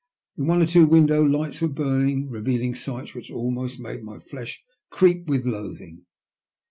In one or two windows, lights were burning, revealing sights which almost made my flesh creep with loathing.